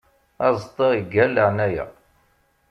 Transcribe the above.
Aẓeṭṭa iggar laɛnaya.